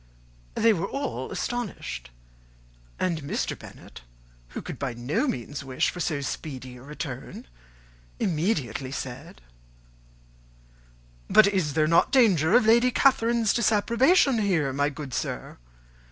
They were all astonished; and Mr. Bennet, who could by no means wish for so speedy a return, immediately said, "But is there not danger of Lady Catherine's disapprobation here, my good sir?